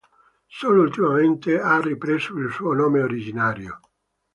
Solo ultimamente ha ripreso il suo nome originario.